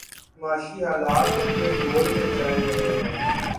معاشی حالات اپنے زور پہ چل رہے ہیں۔